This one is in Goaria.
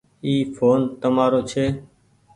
اي ڦون تمآرو ڇي۔